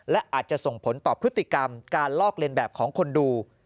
และอาจจะส่งผลต่อพฤติกรรมการลอกเลียนแบบของคนดู